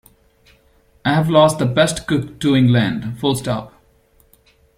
I've lost the best cook to England.